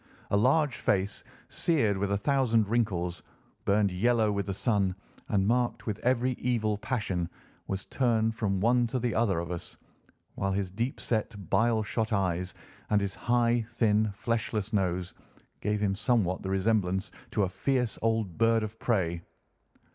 A large face, seared with a thousand wrinkles, burned yellow with the sun, and marked with every evil passion, was turned from one to the other of us, while his deep set, bile shot eyes, and his high, thin, fleshless nose, gave him somewhat the resemblance to a fierce old bird of prey.